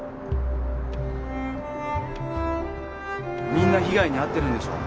みんな被害に遭ってるんでしょう？